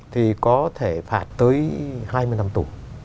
thì có thể phạt tới hai mươi năm tù